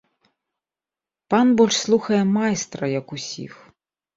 Пан больш слухае майстра, як усіх.